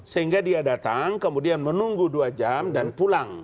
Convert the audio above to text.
sehingga dia datang kemudian menunggu dua jam dan pulang